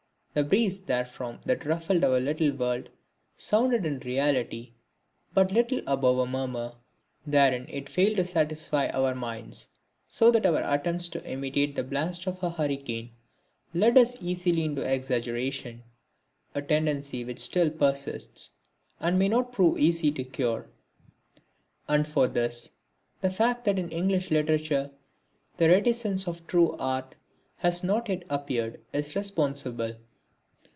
The breeze therefrom that ruffled our little world sounded in reality but little above a murmur. Therein it failed to satisfy our minds, so that our attempts to imitate the blast of a hurricane led us easily into exaggeration, a tendency which still persists and may not prove easy of cure. And for this, the fact that in English literature the reticence of true art has not yet appeared, is responsible.